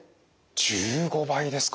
１５倍ですか！